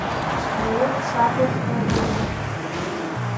Ари еиԥш агәаӷьра мариамызт.